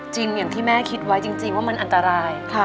อย่างที่แม่คิดไว้จริงว่ามันอันตราย